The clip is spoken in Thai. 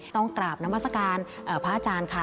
ต้องกราบนามัศกาลพระอาจารย์ค่ะ